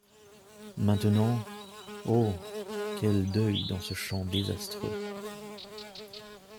Maintenant, oh ! qùel deuil dans ce champ désastreux !